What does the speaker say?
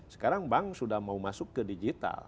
sekarang bank sudah mau masuk ke digital